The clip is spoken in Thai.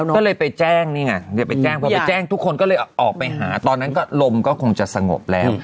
ก็เลยไปแจ้งนี่ไงทุกคนก็เลยออกไปหาตอนนั้นก็ลมก็คงจะสงบแล้ว